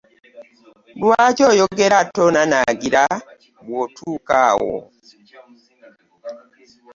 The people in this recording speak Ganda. Lwaki oyogera ate onanaagira bw'otuuka awo?